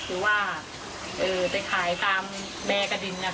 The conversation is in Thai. คือว่าไปขายตามแบร์กระดินนะคะ